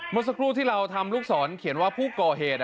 เมื่อสักครู่ที่เราทำลูกศรเขียนว่าผู้ก่อเหตุ